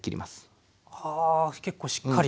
はあ結構しっかり。